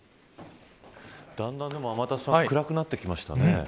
だんだん暗くなってきましたね。